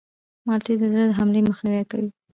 مالټې د زړه د حملې مخنیوی کوي.